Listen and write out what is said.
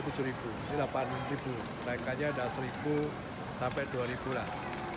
ya biasanya kan dari enam ribu sampai tujuh ribu delapan ribu naikannya ada seribu dua ribu lah